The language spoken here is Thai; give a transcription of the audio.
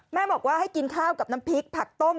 แม่บอกว่าให้กินข้าวกับน้ำพริกผักต้ม